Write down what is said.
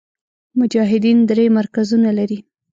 مجاهدین درې مرکزونه لري.